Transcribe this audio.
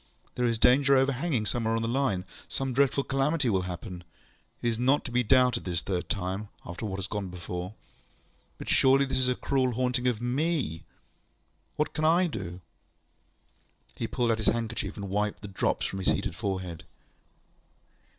There is danger overhanging somewhere on the Line. Some dreadful calamity will happen. It is not to be doubted this third time, after what has gone before. But surely this is a cruel haunting of me. What can I do? ŌĆØ He pulled out his handkerchief, and wiped the drops from his heated forehead.